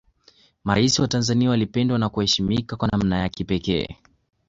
maraisi wa tanzania walipendwa na kuheshimika kwa namna ya kipekee